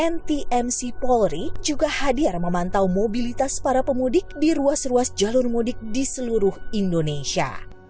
ntmc polri juga hadir memantau mobilitas para pemudik di ruas ruas jalur mudik di seluruh indonesia